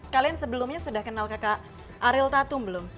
kalian sebelumnya sudah kenal kakak ariel tatum belum